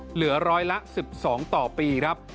เหลือ๑๑๒ต่อปีครับ